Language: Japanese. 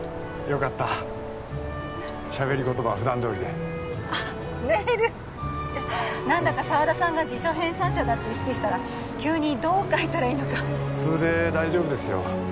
よかったしゃべり言葉は普段どおりであっメール何だか沢田さんが辞書編纂者だって意識したら急にどう書いたらいいのか普通で大丈夫ですよ